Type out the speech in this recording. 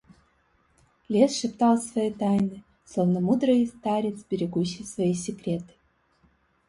Лес шептал свои тайны, словно мудрый старец, берегущий свои секреты.